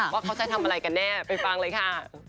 ว่าเขาจะทำอะไรกันแน่ไปฟังเลยค่ะ